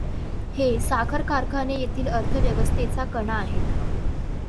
हे साखर कारखाने येथील अर्थव्यवस्थेचा कणा आहेत.